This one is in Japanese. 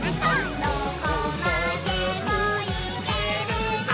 「どこまでもいけるぞ！」